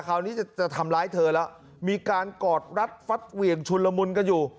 คราวนี้จะทำร้ายเธอแล้วมีการกอดรัดฟัดเหวี่ยงชุนละมุนกันอยู่